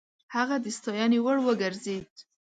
هغه د ستاينې وړ وګرځېد.